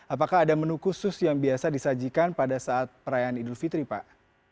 apakah ada menu khusus yang biasa disajikan pada saat perayaan idul fitri pak